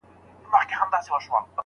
ستا د سترگو په بڼو کې را ايسار دي